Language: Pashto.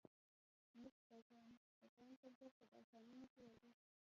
نفت د افغان کلتور په داستانونو کې راځي.